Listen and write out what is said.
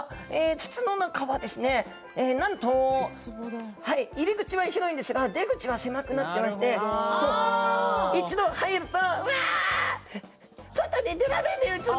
筒の中は、なんと入り口は広いんですが出口は狭くなっていまして一度入ると、うわ！